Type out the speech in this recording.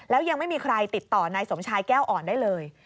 แล้วยังไม่มีใครติดต่อนายสมชายแก้วอ่อนได้เลย